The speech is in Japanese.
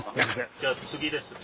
じゃあ次ですね。